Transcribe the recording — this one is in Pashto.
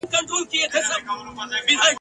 خان له زین او له کیزې سره را ستون سو ..